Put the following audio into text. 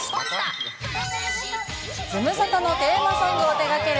ズムサタのテーマソングを手がける